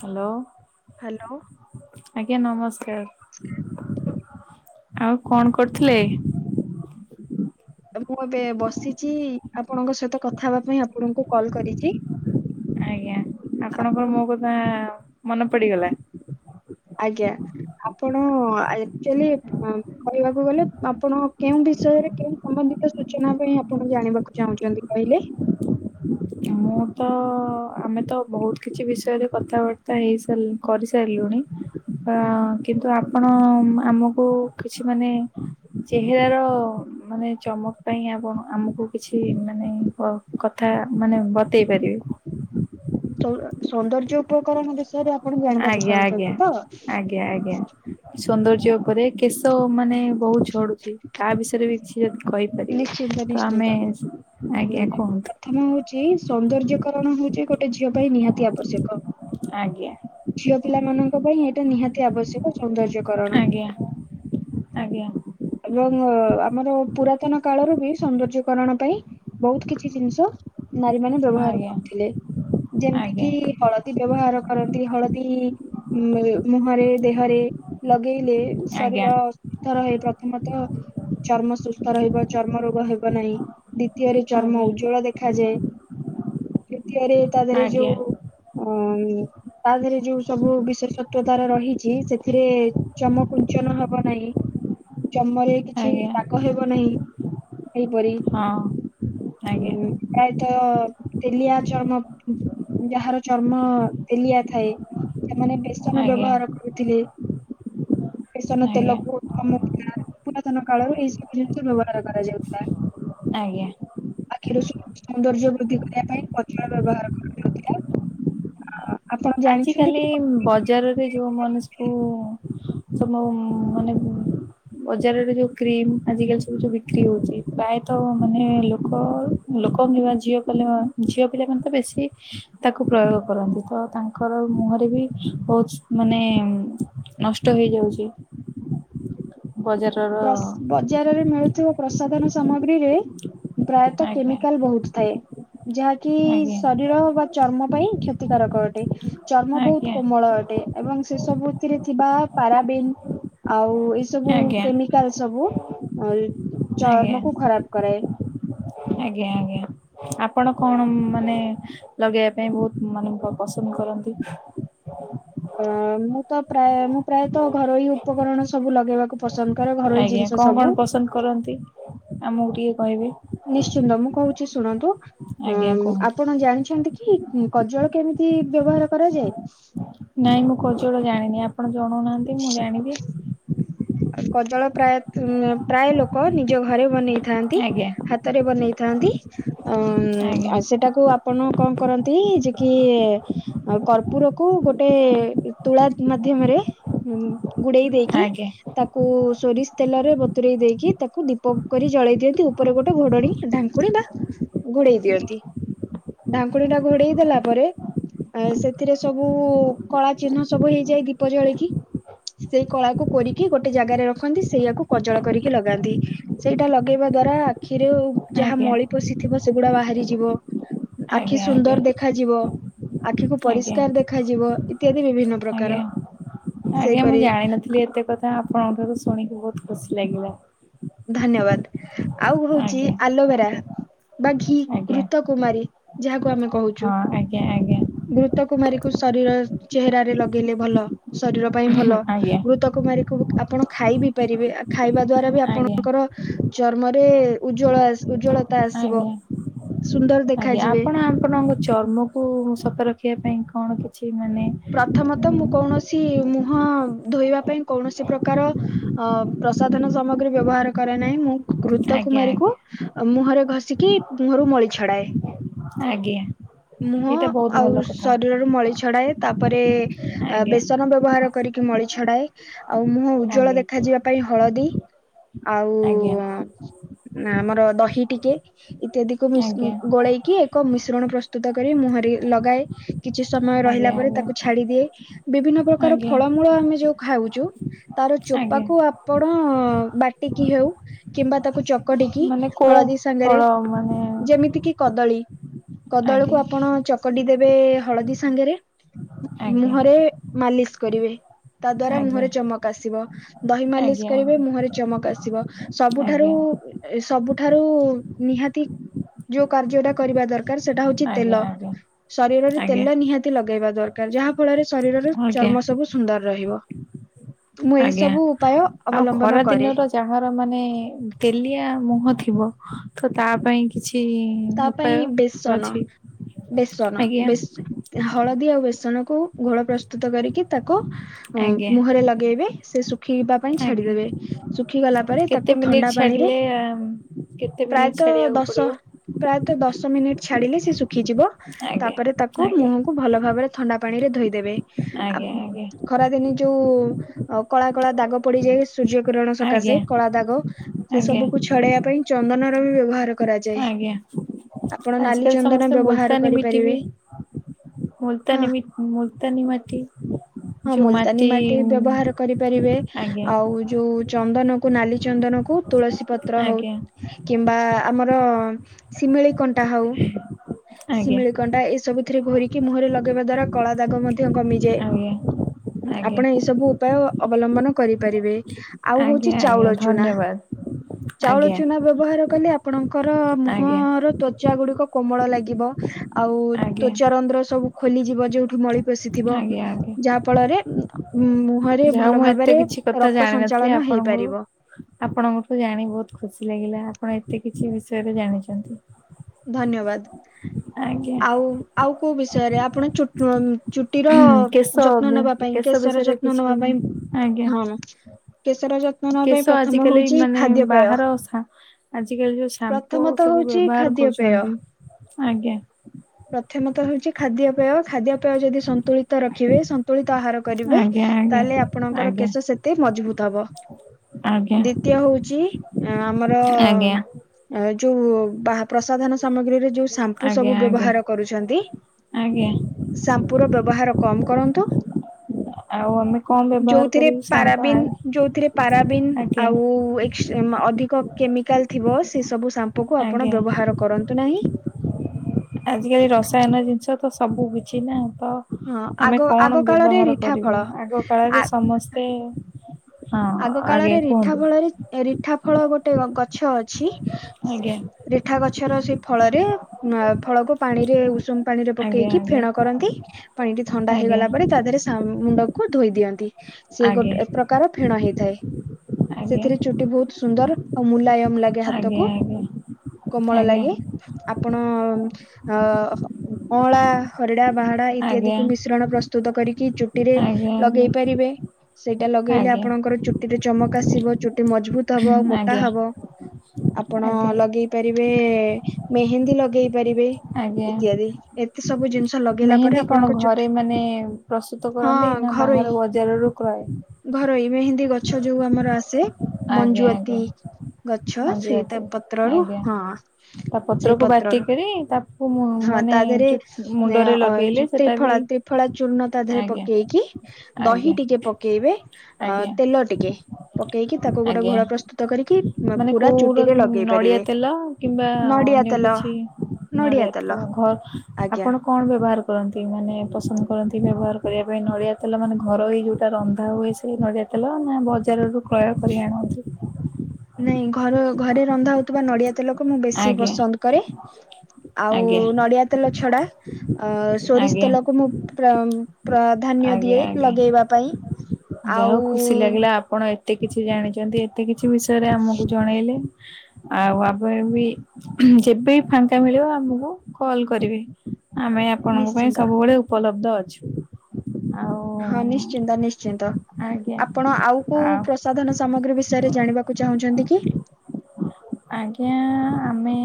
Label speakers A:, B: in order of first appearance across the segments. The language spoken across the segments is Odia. A: ହ୍ୟାଲୋ।
B: ହ୍ୟାଲୋ।
A: ଆଜ୍ଞା ନମସ୍କାର। ଆଉ କଣ କରୁଥିଲେ?
B: ମୁଁ ଏବେ ବସିଛି, ଆପଣଙ୍କ ସହିତ କଥା ହେବା ପାଇଁ ଆପଣଙ୍କୁ କଲ କରିଛି।
A: ଆଜ୍ଞା
B: ଆପଣ
A: ଆପଣଙ୍କର ମୋ କଥା ମନେ ପଡିଗଲା?
B: ଆଜ୍ଞା ଆପଣ ଆଚୁଲି କହିବାକୁ ଗଲେ ଆପଣ କେଉଁ ବିଷୟରେ କେଉଁ ସମ୍ବନ୍ଧିତ ସୂଚନା ପାଇଁ ଆପଣ ଜାଣିବାକୁ ଚାହୁଁଛନ୍ତି? କହିଲେ
A: ମୁଁ ତ ଆମେ ତ ବହୁତ କିଛି ବିଷୟରେ କଥାବାର୍ତ୍ତା ହେଇ କରିସାରିଲୁଣି ଆ କିନ୍ତୁ ଆପଣ ଆମକୁ କିଛି ମାନେ ଚେହେରାର ମାନେ ଚମକ ପାଇଁ ଆପଣ ଆମକୁ କିଛି ମାନେ କଥା ମାନେ ଦେଇପାରିବେ।
B: [unintelligible] ଉପକରଣ ବିଷୟରେ ଆପଣ ଜାଣିବାକୁ ଚାହୁଁଚନ୍ତି ତ?
A: ଆଜ୍ଞା-ଆଜ୍ଞା ସୌନ୍ଦର୍ଯ୍ୟ ଉପରେ କେଶ ମାନେ ବହୁତ୍ ଝଡୁଚି ତା ବିଷୟରେ ବି ଯଦି
B: ନିଶ୍ଚିନ୍ତ
A: କହିପାରିବେ ତ
B: ନିଶ୍ଚିନ୍ତ।
A: ଆମେ
B: ଉଁ,
A: ଆଜ୍ଞା କୁହନ୍ତୁ।
B: ପ୍ରଥମ ହଉଚି ସୌନ୍ଦର୍ଯ୍ୟକରଣ ହଉଚି ଗୋଟାଏ ଝିଅ ପାଇଁ ନିହାତି ଆବଶ୍ୟକ।
A: ଆଜ୍ଞା।
B: ଝିଅ ପିଲାମାନଙ୍କ ପାଇଁ ଏଇଟା ନିହାତି ଆବଶ୍ୟକ ସୌନ୍ଦର୍ଯ୍ୟ କରଣ
A: ଆଜ୍ଞା ଆଜ୍ଞା। ଆଜ୍ଞା
B: ଏବଂ ଆମର ପୁରା ନୂତନ କାଳରୁ ବି ସୌନ୍ଦର୍ଯ୍ୟକରଣ ପାଇଁ ବହୁତ କିଛି ଜିନିଷ ନାରୀ ମାନେ ବ୍ୟବହାର
A: ଆଜ୍ଞା
B: କରୁଥିଲେ, ଯେମିତି
A: ଆଜ୍ଞା।
B: କିି ହଳଦୀ ବ୍ୟବହାର କରନ୍ତି ହଳଦୀ ମୁହଁରେ ଦେହରେ ଲଗେଇଲେ
A: ଆଜ୍ଞା ଆଜ୍ଞା
B: ଶରୀର ସୁସ୍ଥ ରହେ, ପ୍ରଥମତଃ ଚର୍ମ ସୁ ସ୍ଥ ରହିବ ଚର୍ମ ରୋଗ ହେବ ନାହିଁ ଦ୍ଵିତୀୟରେ
A: ଆଜ୍ଞା
B: ଚର୍ମ
A: ହଁ
B: ଉଜ୍ଜଳ ଦେଖାଯାଏ ତୃତୀୟରେ ତା ଦେହରେ
A: ଆଜ୍ଞା
B: ଯୋଉ ଅ ତା ଦେହରେ ଯୋଉ ସବୁ ବିଶେଷତ ତାର ରହିଚି ସେଥିରେ ଚମ କୁଞ୍ଚନ ହବ ନାହିଁ ଚମରେ କିଛି
A: ଆଜ୍ଞା
B: ଦାଗ ହେବ ନାହିଁ ସେପରି।
A: ହଁ ଆଜ୍ଞା।
B: ପ୍ରାୟତଃ ତେଲିଆ ଚର୍ମ ଯାହାର ଚର୍ମ ତେଲିଆ ଥାଏ ସେମାନେ ବେସନ
A: ଆଜ୍ଞା
B: ବ୍ୟବହାର କରୁଥିଲେ। ବେସନ ତେଲକୁ [unintelligible] ପୁରାତନ କାଳରେ ଏ ଜିନିଷ ବ୍ୟବହାର କରାଯାଉଥିଲା।
A: ଆଜ୍ଞା।
B: ଆଖିରୁ ସୌନ୍ଦର୍ଯ୍ୟ ବୃଦ୍ଧି କରିବା ପାଇଁ [unintelligible] ବ୍ୟବହାର କରାଯାଉଥିଲା। ହଁ।
A: ଆଜି କାଲି ଵ [unintelligible] ଯୋଉ ମଣିଷକୁ [unintelligible] ବଜାରରେ ଯୋଉ କ୍ରିମ୍ ଆଜିକାଲି ସବୁ ଯୋଉ ବିକ୍ରି ହଉଚି ପ୍ରାୟତଃ ମାନେ ଲୋକ ଲୋକ କିମ୍ୱା ଝିଅ [unintelligible] ଝିଅ ପିଲାମାନେ ତ ବେଶୀ ତାକୁ ପ୍ରୟୋଗ କରନ୍ତି ତ ତା ତାଙ୍କର ମୁହଁରେ ବି ବହୁତ୍ ମାନେ ନଷ୍ଟ ହେଇଯାଉଚି। ବଜାର
B: ବଜାରରେ ମିଳୁଥିବା ପ୍ରସାଧନ ସାମଗ୍ରୀରେ ପ୍ରାୟତଃ
A: ଆଜ୍ଞା
B: କେମିକାଲ୍ ବହୁତ୍ ଥାଏ ଯାହାକି
A: ଆଜ୍ଞା
B: ଶରୀର ବା ଚର୍ମ ପାଇଁ କ୍ଷତିକାରକ ଅଟେ ଚର୍ମ ବହୁତ
A: ଆଜ୍ଞା
B: କୋମଳ ଅଟେ। ଏବଂ ସେ ସବୁଥିରେ ଥିବା ପାରାବିନ୍ ଆଉ ଏଇ ସବୁ
A: ଆଜ୍ଞା
B: [unintelligible] ସବୁ ଅଁ ଚର୍ମକୁ ଖରାପ କରାଏ।
A: ଆଜ୍ଞା-ଆଜ୍ଞା। ଆପଣ କଣ ମାନେ ଲଗେଇବା ପାଇଁ ବହୁତ୍ ମାନେ ପସନ୍ଦ କରନ୍ତି?
B: ଅ ମୁଁ ତ ପ୍ରାୟ ମୁଁ ପ୍ରାୟତଃ ଘରୋଇ ଉପକରଣ ସବୁ ଲଗେଇବାକୁ ପସନ୍ଦ କରେ ଘରୋଇ
A: ଆଜ୍ଞା
B: ଜିନିଷ ସବୁ
A: କଣ-କଣ ପସନ୍ଦ କରନ୍ତି ଆମକୁ ଟିକେ କହିବେ?
B: ନିଶ୍ଚିନ୍ତ ମୁଁ କହୁଚି ଶୁଣନ୍ତୁ ଅ
A: ଆଜ୍ଞା କୁହନ୍ତୁ।
B: ଆପଣ ଜାଣିଚନ୍ତି କି କଜଳ କେମିତି ବ୍ୟବହାର କରାଯାଏ?
A: ନାଇଁ ମୁଁ କଜଳ ଜାଣିନି ଆପଣ ଜଣଉନାହାନ୍ତି ମୁଁ ଜାଣିବି।
B: କଜଳ ପ୍ରାୟତ ପ୍ରାୟ ଲୋକ ନିଜ ଘରେ ବନେଇଥାନ୍ତି
A: ଆଜ୍ଞା
B: ହା ତରେ ବନେଇଥାନ୍ତି ଅଂ
A: ଆଜ୍ଞା।
B: ଆଉ ସେଟାକୁ ଆପ ଆପଣ କଣ କରନ୍ତି ଯେ କି ଆଉ କର୍ପୁରକୁ ଗୋଟେ ତୁଳା ମାଧ୍ୟମରେ ଉଁ ଗୁଡେଇ ଦେଇକି
A: ଆଜ୍ଞା
B: ତାକୁ ସୋରିଷ ତେଲରେ ବତୁରେଇ ଦେଇକି ତାକୁ ଦୀପ କରି ଜଳେଇ ଦିଅନ୍ତି ଉପରେ ଗୋଟେ ଘୋଡଣୀ ଢାଙ୍କୁଣୀ ବା ଘୋଡେଇ ଦିଅନ୍ତି ଢାଙ୍କୁଣୀ ଟା ଘୋଡେଇ ଦେଲା ପରେ ଆଉ ସେଥିରେ ସବୁ କଳା ଚିହ୍ନ ସବୁ ହେଇଯାଏ ଦୀପ ଜଳିକି ସେଇ କଳାକୁ କୋରି କି ଗୋଟେ ଜାଗାରେ ରଖନ୍ତି ସେଇଆକୁ କଜଳ କରିକି ଲଗାନ୍ତି ସେଇଟା ଲଗେଇବା ଦ୍ଵାରା ଆଖିରେ
A: ଆଜ୍ଞା
B: ଯାହା
A: ଆଜ୍ଞା
B: ମଳି ପଶିଥିବ ସେଗୁଡା ବାହାରିଯିବ ଆଖି
A: ଆଜ୍ଞା
B: ସୁନ୍ଦର ଦେଖାଯିବ ଆଖିକୁ
A: ଆଜ୍ଞା
B: ପରିଷ୍କାର ଦେଖାଯିବ ଇତ୍ୟାଦି ବିଭିନ୍ନ
A: ଆଜ୍ଞା
B: ପ୍ରକାର।
A: ଆଜ୍ଞା ମୁଁ
B: ସେଇପରି
A: ଜାଣିନଥିଲି ଏତେ କଥ୍ ଥା ଆପଣଙ୍କ ଠାରୁ ଶୁଣିକି ବହୁତ ଖୁସି ଲାଗିଲା।
B: ଧନ୍ୟବାଦ ଆଉ ହଉଚି
A: ଆଜ୍ଞା।
B: ଆଲୋଭେରା ବା ଘି
A: ଆଜ୍ଞା
B: କ୍ରୁତ କୁମାରୀ ଯାହାକୁ ଆମେ କହୁଚୁ
A: ହଁ ଆଜ୍ଞା ଆଜ୍ଞା
B: ଘୃତ କୁମାରୀକୁ ଶରୀର ଚେହେରାରେ ଲଗେଇଲେ ଭଲ ଶରୀର ପାଇଁ ଭଲ
A: ଆଜ୍ଞା
B: କୃତ ଘୃତ କୁମାରୀକୁ ଆପଣ ଖାଇ ବି ପାରିବେ ଆଉ ଖାଇବା ଦ୍ଵାରା ବି ଆପଣ
A: ଆଜ୍ଞା
B: ଙ୍କର ଚର୍ମରେ ଉଜ୍ଜଳ ଉଜ୍ଜଳତା ଆସିବ।
A: ଆଜ୍ଞା।
B: ସୁନ୍ଦର
A: ଆଜ୍ଞା
B: ଦେଖାଯିବେ
A: ଆପଣ ଆପଣଙ୍କ ଚର୍ମକୁ ସଫା ରଖିବା ପାଇଁ କଣ କିଛି ମାନେ
B: ପ୍ରଥମତଃ ମୁଁ କୌଣସି ସିଏ ମୁହଁ ଧୋଇବା ପାଇଁ କୌଣସି ପ୍ରକାର ଅ ପ୍ରସାଧନ ସାମଗ୍ରୀ ବ୍ୟବହାର କରେ ନାହିଁ ମୁଁ ଘୃତ
A: ଆଜ୍ଞା
B: କୁମାରୀକୁ
A: ଆଜ୍ଞା
B: ମୁହଁରେ ଘଷିକି ମୁହଁରୁ ମଳି ଛଡ଼ାଏ।
A: ଆଜ୍ଞା।
B: ମୁହଁ
A: ଏଇଟା ବହୁତ ଭଲ
B: ଆଉ
A: କଥା
B: ଶରୀରରୁ ମଳି ଛଡାଏ ତାପରେ
A: ଆଜ୍ଞା
B: ବେସନ ବ୍ୟବହାର କରିକି ମଳି ଛଡାଏ ଆଉ ମୁହଁ ଉଜ୍ଜଳ
A: ଆଜ୍ଞା
B: ଦେଖାଯିବା ପାଇଁ ହଳଦୀ ଆଉ
A: ଆଜ୍ଞା
B: ଆମର ଦହି ଟିକେ ଇତ୍ୟାଦିକୁ ମିସ୍
A: ଆଜ୍ଞା
B: ଗୋଳେଇକି ଏକ ମିଶ୍ରଣ ପ୍ରସ୍ତୁତ କରି ମୁହଁରେ ଲଗାଏ କିଛି ସମୟ ରହିଲା
A: ଆଜ୍ଞା
B: ପରେ ତାକୁ ଛାଡି ଦିଏ ବିଭିନ୍ନ
A: ଆଜ୍ଞା
B: ପ୍ରକାର
A: ଆଜ୍ଞା
B: ଫଳମୂଳ ଆମେ ଯୋଉ ଖାଉଚୁ ଆରେ
A: ଆଜ୍ଞା
B: ଚୋପାକୁ ଆପଣ ବାଟିକି ହେଉ କିମ୍ବା ତାକୁ ଚକ୍ କରିକି
A: ମାନେ କୋଉ
B: ହଳଦୀ ସାଙ୍ଗରେ
A: ଫଳ ମାନେ
B: ଯେମିତି କିି କଦଳୀ କଦଳୀକୁ
A: ଆଜ୍ଞା
B: ଆପଣ ଚକଟି ଦେବେ ହଳଦୀ ସାଙ୍ଗରେ
A: ଆଜ୍ଞା
B: ମୁହଁରେ ମାଲିସ୍ କରିବେ ତା ଦ୍ଵାରା
A: ଆଜ୍ଞା
B: ମୁହଁରେ ଚମକ ଆସିବ। ଦହି ମାଲିସ୍
A: ଆଜ୍ଞା ଆଜ୍ଞା
B: କରିବେ ମୁହଁରେ ଚମକ ଆସିବ ସବୁଠାରୁ
A: ଆଜ୍ଞା
B: ସବୁଠାରୁ ନିହାତି ଯୋଉ କାର୍ଯ୍ୟଟା କରିବା ଦରକାର ସେଟା ହଉଛି
A: ଆଜ୍ଞା
B: ତେଲ ଶରୀରରେ
A: ଆଜ୍ଞା
B: ତେଲ ନିହାତି ଲଗେଇବା ଦରକାର ଯାହା ଫଳରେ ଶରୀରର
A: ଆଜ୍ଞା
B: ଚର୍ମ ସବୁ ସୁନ୍ଦର ରହିବ ମୁଁ ଏଇ ସବୁ ଉପାୟ ଅବଲମ୍ବନ କରେ।
A: କାହାର ମାନେ ତେଲିଆ ମୁହଁ ଥିବ ତ ତା ପାଇଁ କିଛି
B: ତା ପାଇଁ
A: ଉପାୟ
B: ବେସନ
A: ଅଛି
B: ବେସନ
A: ଆଜ୍ଞା
B: ବେସ୍ ହଳଦୀ ଆଉ ବେସନକୁ ଘୋଳ ପ୍ରସ୍ତୁତ କରିକି ତାକୁ
A: ଆଜ୍ଞା
B: ମୁହଁରେ ଲଗେଇବେ ସେ ଶୁକ୍ ଶୁଖିବା ପାଇଁ
A: ଆଜ୍ଞା
B: ଛାଡିଦେବେ ଶୁଖି ଗଲା ପରେ
A: କେତେ
B: ତାକୁ
A: ମିନିଟ
B: ଥଣ୍ଡା ପାଣିରେ
A: ଛାଡିଲେ କେତେ ମିନିଟ
B: ପ୍ରାୟତଃ
A: ଛାଡିବାକୁ ପଡିବ?
B: ଦଶ ପ୍ରାୟତଃ ଦଶ ମିନିଟ ଛାଡିଲେ ସେ ଶୁଖିଯିବ ତାପରେ
A: ଆଜ୍ଞା
B: ତାକୁ ମୁହଁ କୁ ଭଲ ଭାବରେ ଥଣ୍ଡା ପାଣିରେ ଧୋଇଦେବେ।
A: ଆଜ୍ଞା ଆଜ୍ଞା।
B: ରେନି ଯୋଉ ଅ କଳା କଳା ଦାଗ ପଡିଯାଇ ସେ ସୂର୍ଯ୍ୟ କିରଣ
A: ଆଜ୍ଞା
B: ସକାଶେ କଳା ଦାଗ
A: ଆଜ୍ଞା
B: ସେ
A: ଆଜ୍ଞା
B: ସବୁକୁ ଛଡେଇବା ପାଇଁ ଚନ୍ଦନ ର ବି ବ୍ୟବହାର କରାଯାଏ।
A: ଆଜ୍ଞା
B: ଆପଣ ନାଲି
A: ଆଜିକାଲି
B: ଚନ୍ଦନ
A: ସମସ୍ତେ
B: ବ୍ୟବହାର
A: ମୁଲତାନୀମିଟି ବି
B: କରିପାରିବେ ହଁ
A: ମୁଲତାନୀମି ମୁଲତାନୀମାଟି
B: ହଁ ମୁଲତାନୀ ମାଟି ବ୍ୟବହାର କରିପାରିବେ
A: ଆଜ୍ଞା
B: ଆଉ ଯୋଉ ଚନ୍ଦନକୁ ନାଲି ଚନ୍ଦନ କ ତୁଳସୀ ପତ୍ର
A: ଆଜ୍ଞା
B: ହଉ
A: ଆଜ୍ଞା
B: କିମ୍ବା ଆମର ଶିମିଳି କଣ୍ଟା ହଉ ଶିମିଳି କଣ୍ଟା ଏ ସବୁ ଥିରେ ଘୋରିକି ମୁହଁରେ ଲଗେଇବା ଦ୍ଵାରା କଳାଦାଗ ମଧ୍ୟ କମିଯାଏ।
A: ଆଜ୍ଞା ଆଜ୍ଞା
B: ଆପଣ ଏଇ ସବୁ ଉପାୟ ଅବଲମ୍ବନ କରିପାରିବେ। ଆଉ
A: ଆଜ୍ଞା
B: ହଉଛି
A: ଆଜ୍ଞା
B: ଚାଉଳ ଚୁନା
A: ଧନ୍ୟବାଦ
B: ଚାଉଳ
A: ଆଜ୍ଞା
B: ଚୁନା ବ୍ୟବହାର କଲେ ଆପଣ ଙ୍କର
A: ଆଜ୍ଞା
B: ମୁହଁର ତ୍ଵଚା ଗୁଡିକ କୋମଳ ଲାଗିବ ଆଉ
A: ଆଜ୍ଞା
B: ତ୍ୱଚା ରନ୍ଧ୍ର ସବୁ ଖୋଲିଯିବ ଯୋଉଠି ମଳି ପଶିଥିବ
A: ଆଜ୍ଞା ଆଜ୍ଞା
B: ଯାହା ଫଳରେ ମୁହଁରେ
A: ଯାହା
B: ଭଲ
A: ମୁଁ ଏତେ
B: ଭାବରେ
A: କିଛି କଥା
B: ରକ୍ତ
A: ଜାଣିନଥିଲି
B: ସଞ୍ଚାଳନ
A: ଆପଣଙ୍କୁ
B: ହେଇପାରିବ।
A: ଆପଣଙ୍କଠୁ ଜାଣି ବହୁତ ଖୁସି ଲାଗିଲା ଆପଣ ଏତେ କିଛି ବିଷୟରେ ଜାଣିଛନ୍ତି।
B: ଧନ୍ୟବାଦ
A: ଆଜ୍ଞା
B: ଆଉ ଆଉ କୋଉ ବିଷୟରେ ଆପଣ ଚୁଟିର
A: କେଶ
B: ଯତ୍ନ ନବା ପାଇଁ
A: କେଶ
B: କେଶର
A: ବିଷୟରେ
B: ଯତ୍ନ
A: କିଛି
B: ନବା ପାଇଁ
A: ଆଜ୍ଞା
B: ହଁ କେଶର ଯତ୍ନ ନେବା ପାଇଁ
A: କେଶ
B: ପ୍ରଥମ
A: ଆଜିକାଲି
B: ହଉଛି
A: ମାନେ
B: ଖାଦ୍ୟପେୟ।
A: ବାହାର ସା ଆଜିିକାଲି ଯୋଉ ସା ସାମ୍ପୁ
B: ପ୍ରଥମତଃ
A: ସବୁ
B: ହଉଛି
A: ବ୍ୟବହାର
B: ଖାଦ୍ୟପେୟ।
A: କରୁଛନ୍ତି ଆଜ୍ଞା।
B: ପ୍ରଥମତ ହଉଛି ଖାଦ୍ୟପେୟ ଖାଦ୍ୟପେୟ ଯଦି ସନ୍ତୁଳିତ ରଖିବେ ସନ୍ତୁଳିତ ଆହାର କରିବେ
A: ଆଜ୍ଞା ଆଜ୍ଞା
B: ତାହେଲେ ଆପଣଙ୍କର
A: ଆଜ୍ଞା
B: କେଶ ସେତେ ମଜବୁତ ହବ।
A: ଆଜ୍ଞା
B: ଦ୍ଵିତୀୟ ହଉଚ ଆମର
A: ଆଜ୍ଞା ଆଜ୍ଞା
B: ଯୋଉ ବା ପ୍ରସାଧନ ସାମଗ୍ରୀରେ ଯୋଉ ସାମ୍ପୁ ସବୁ ବ୍ୟବହାର
A: ଆଜ୍ଞା
B: ହାର କାଟୁଛନ୍ତି
A: ଆଜ୍ଞା
B: ସାମ୍ପ ର ବ୍ୟବହାର କମ କରନ୍ତୁ
A: ଆଉ ଆମେ କଣ ବ୍ୟବହାର
B: ଯୋଉଥିରେ
A: କରିବୁ ସାମ୍ପ
B: ପାରାବିନ୍ ଯୋଉଥିରେ ପାରାବିନ୍
A: ଆଜ୍ଞା
B: ଆଉ ଅଧିକ କେମିକାଲ୍ ଥିବ ସେସବୁ ସାମ୍ପୁକୁ ଆପଣ
A: ଆଜ୍ଞା
B: ବ୍ୟବହାର କରନ୍ତୁ ନାହିଁ।
A: ଆଜିକାଲି ରସାୟନ ଜିନିଷ ତ ସବୁ କିଛି ନା ତ
B: ହଁ ଆଗ
A: ଆମେ
B: ଆଗ
A: କଣ
B: କାଳରେ
A: ବ୍ୟବହାର
B: ରିଠା ଫଳ
A: କରିବୁ ଆଗ
B: ଆ
A: କାଳରେ ସମସ୍ତେ ହଁ
B: ଆଗ
A: ଆଜ୍ଞା
B: କାଳରେ ରିଠା
A: କୁହନ୍ତୁ
B: ଫଳରେ ରିଠା ଫଳ ଗୋଟେ ଗଛ ଅଛି
A: ଆଜ୍ଞା
B: ରିଠା ଗଛର ସେଇ ଫଳରେ ଫଳକୁ ପାଣିରେ ଉଷୁମ ପାଣି ରେ
A: ଆଜ୍ଞା
B: ପକେଇକି ଫେଣ କରନ୍ତି ପାଣିଟି ଥଣ୍ଡା
A: ଆଜ୍ଞା
B: ହେଇଗଲା ପରେ ତା ଦେହରେ ସା ମୁଣ୍ଡକୁ ଧୋଇ ଦିଅନ୍ତି ସେ
A: ଆଜ୍ଞା
B: ଗୋଟେ ଏ ପ୍ରକାର ଫେଣ ହେଇଥାଏ
A: ଆଜ୍ଞା
B: ସେଥିରେ ଚୁଟି ବହୁତ ସୁନ୍ଦର ଆଉ ମୁଲାୟମ ଲାଗେ
A: ଆଜ୍ଞା
B: ହାତକୁ କୋମଳ
A: ଆଜ୍ଞା
B: ଲାଗେ ଆପଣ ଅ ଅଁଳା ହରିଡା ବାହାଡା ଇତ୍ୟାଦି
A: ଆଜ୍ଞା
B: କୁ ମିଶ୍ରଣ ପ୍ରସ୍ତୁତ କରିକି ଚୁଟି ରେ
A: ଆଜ୍ଞା
B: ଲଗେଇ ପାରିବେ। ସେଇଟା
A: ଆଜ୍ଞା
B: ଲଗେଇଲେ ଆ
A: ଆଜ୍ଞା
B: ଚୁଟି ରେ ଚମକ ଆସିବ ଚୁଟି ମଜବୁତ ହବ ଆଉ ମୋଟା
A: ଆଜ୍ଞା ଆଜ୍ଞା
B: ହବ ଆପଣ
A: ଆଜ୍ଞା
B: ଲଗେଇ ପାରିବେ ମେହେନ୍ଦୀ ଲଗେଇ ପାରିବେ
A: ଆଜ୍ଞା
B: ଇତ୍ୟାଦି ଏତେ ସବୁ ଜିନିଷ ଲଗେଇଲା ପରେ
A: ମେହେନ୍ଦୀ
B: ଆପଣଙ୍କ
A: କଣ
B: ଚୁଟି
A: ଘରେ ମାନେ ପ୍ରସ୍ତୁ ପ୍ରସ୍ତୁତ
B: ହଁ
A: କରନ୍ତି ନା ବାହ
B: ଘରୋଇ
A: ବଜାରରୁ କ୍ରୟ
B: ଘରୋଇ ମେହେନ୍ଦୀ ଗଛ ଯୋଉ ଆମର ଆସେ
A: ଆଜ୍ଞା
B: ମଞ୍ଜୁଆତି
A: ଆଜ୍ଞା
B: ଗଛ ଅଛି ତା
A: ମଞ୍ଜୁଆତି
B: ପତ୍ରରୁ
A: ଆଜ୍ଞା
B: ହଁ
A: ତା
B: ସେଇ
A: ପତ୍ରକୁ
B: ପତ୍ରରୁ।
A: ବାଟିକରି ତାକୁ
B: ହଁ
A: ମାନେ
B: ତା ଦେହରେ
A: ମୁଣ୍ଡରେ
B: ଅଁ
A: ଲଗେଇଲେ
B: ଯୋଉ
A: ସେଟା ବି
B: ତ୍ରିଫଳା ତ୍ରିଫଳା ଚୂର୍ଣ ତା ଦେହରେ
A: ଆଜ୍ଞା
B: ପକେଇକି ଦହି
A: ଆଜ୍ଞା
B: ଟିକେ ପକେଇବେ ଅ
A: ଆଜ୍ଞା
B: ତେଲ ଟିକେ ପକେଇକି ତାକୁ ଗୋଟେ
A: ଆଜ୍ଞା
B: ଘୋଳ ପ୍ରସ୍ତୁତ କରିକି
A: ମାନେ
B: ପୁରା
A: କୋଉର
B: ଚୁଟିରେ ଲଗେଇ
A: ନଡିଆ
B: ପାରିବେ।
A: ତେଲ କିମ୍ବା
B: ନଡିଆ
A: ଅନ୍ୟ
B: ତେଲ
A: କିଛି ନଡ଼ିଆ ତେଲ ଘର୍
B: ଆଜ୍ଞା
A: ଆପଣ କଣ ବ୍ୟବହାର କରନ୍ତି ମାନେ ପସନ୍ଦ କରନ୍ତି ବ୍ୟବହାର କରିବା ପାଇଁ ନଡ଼ିଆ ତେଲ ମାନେ ଘରୋଇ ଯୋଉଟା ରନ୍ଧା ହୁଏ ସେ ସେ ନଡ଼ିଆ ତେଲ ନା ବଜାରରୁ କ୍ରୟ କରି ଆଣନ୍ତି?
B: ନାଇଁ ଘର ଘରେ ରନ୍ଧା ହଉଥିବା ନଡିଆ ତେଲକୁ ମୁଁ ବେଶୀ ପସନ୍ଦ କରେ‌
A: ଆଜ୍ଞା
B: ଆଉ
A: ଆଜ୍ଞା
B: ନଡିଆ ତେଲ ଛଡା ଅ ସୋରିଷ
A: ଆଜ୍ଞା
B: ତେଲକୁ ମୁଁ ପ୍ର ପ୍ରଧାନ୍ୟ ଦିଏ ଲଗେଇବା ପାଇଁ।
A: ଯାଆ
B: ଆଉ
A: ହଉ ଖୁସି ଲାଗିଲା ଆପଣ ଏତେ କିଛି ଜାଣିଛନ୍ତି ଏତେ କିଛି ବିଷୟରେ ଆମକୁ ଜଣେଇଲେ। ଆଉ ଆମେ ବି ହୁଁ ଯେବେ ଫାଙ୍କା ମିଳିବ ଆମକୁ କଲ କରିବେ। ଆମେ ଆପଣଙ୍କ ପାଇଁ
B: ନିଶ୍ଚିନ୍ତ
A: ସବୁବେଳେ ଉପଲବ୍ଧ ଅଛୁ ଆଉ
B: ହଁ ନିଶ୍ଚିନ୍ତ-ନିଶ୍ଚିନ୍ତ,
A: ଆଜ୍ଞା
B: ଆପଣ ଆଉ କୋଉ ପ୍ରସ୍ ସାଧନ ସାମଗ୍ରୀ ବିଷୟରେ ଜାଣିବାକୁ ଚାହୁଁଛନ୍ତି କି?
A: ଆଜ୍ଞା-ଆ-ଆ ଆମେ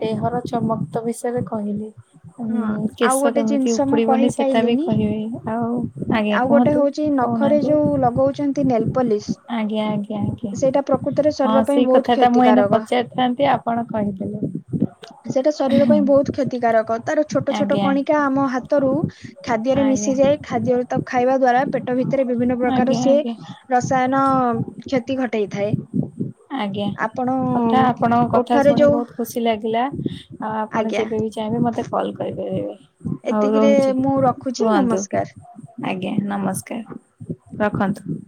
A: ଦେହର ଚମକ ତ ବିଷୟରେ କହିଲି।
B: ହଁ
A: ଉଁ-ଉଁ
B: ଆଉ
A: କେଶ
B: ଗୋଟେ
A: କେମିତି
B: ଜିନିଷ ମୁଁ
A: ଉପୁଡିବନି ସେଟା ବି
B: କହିପାଇଲିନି
A: କହିବେ ଆଉ ଆଜ୍ଞା
B: ଆଉ ଗୋଟେ
A: କୁହନ୍ତୁ।
B: ହଉଛି ନଖରେ ଯୋଉ ଲଗଉଛନ୍ତି ନେଲ୍ ପଲିସ୍
A: ଆଜ୍ଞା-ଆଜ୍ଞା-ଆଜ୍ଞ୍ ଜ୍ଞା, ହଁ
B: ଶରୀର ପାଇଁ
A: ସେଇ
B: ବହୁତ
A: କଥାଟା ମୁଁ ଏଇନେ
B: କ୍ଷତିକାରକ।
A: ପଚାରିଥାନ୍ତି ଆପଣ କହିଦେଲେ।
B: ସେଇଟା ଶରୀର ପାଇଁ ବହୁତ କ୍ଷତିକାରକ ତାର ଛୋଟ ଛୋଟ
A: ଆଜ୍ଞା
B: କଣିକ୍ କା ଆମ ହାତରୁ ଖାଦ୍ୟରେ
A: ଆଜ୍ଞା
B: ମିଶିଯାଏ ଖାଦ୍ୟରେ ତାକୁ ଖାଇବା ଦ୍ଵାରା ପେଟ୍ ପେଟ ଭିତରେ ବିଭିନ୍ନ ପ୍ରକାର
A: ଆଜ୍ଞା
B: ସିଏ
A: ଆଜ୍ଞା
B: ରସାୟନ-ଅ କ୍ଷତି ଘଟାଇଥାଏ।
A: ଆଜ୍ଞା, କଥା ଆପଣଙ୍କ କଥା
B: ଓଠରେ
A: ଶୁଣି
B: ଯୋଉ
A: ବହୁତ ଖୁସି ଲାଗିଲା ଆଉ ଆପଣ
B: ଆଜ୍ଞା
A: ଯେବେ ବି ଚାହିଁବେ ମତେ କଲ୍ କରିପାରିବେ, ହଉ
B: ଏତିକିରେ
A: ରହୁଛି।
B: ମୁଁ ରଖୁଛି
A: କୁହନ୍ତୁ।
B: ନମସ୍କାର।
A: ଆଜ୍ଞା ନମସ୍କାର। ରଖନ୍ତୁ।